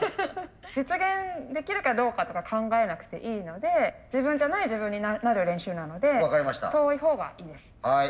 実現できるかどうかとか考えなくていいので自分じゃない自分になる練習なので遠いほうがいいです。